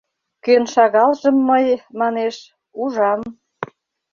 Кӧн шагалжым мый, манеш, ужам.